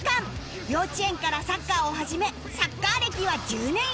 幼稚園からサッカーを始めサッカー歴は１０年以上